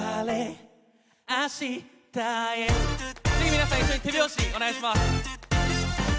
皆さん一緒に手拍子をお願いします。